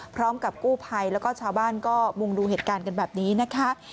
พร้อมกับกู้ภัยแล้วก็ชาวบ้านก็มุ่งดูเหตุการณ์กันแบบนี้นะคะ